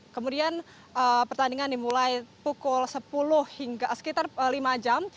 kemudian pertandingan dimulai pukul sepuluh hingga sekitar lima jam